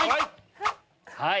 はい。